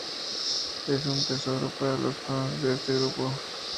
Es un tesoro para los fans de este grupo.